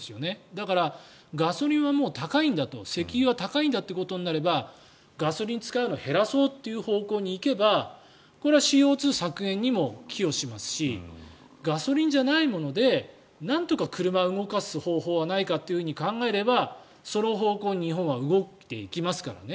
だからガソリンはもう高いんだと石油は高いんだとなればガソリンを使うのを減らそうという方向に行けばこれはＣＯ２削減にも寄与しますしガソリンじゃないものでなんとか車を動かす方法がないかと考えればその方向に日本は動いていきますからね。